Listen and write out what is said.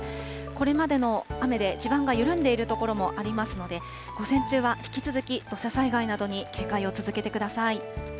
これまでの雨で地盤が緩んでいる所もありますので、午前中は引き続き、土砂災害などに警戒を続けてください。